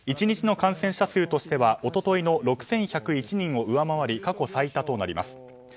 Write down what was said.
１日の感染者としては一昨日の６１０１人を上回り過去最多となります。